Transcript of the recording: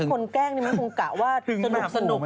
แกล้งนี่มันคงกะว่าสนุก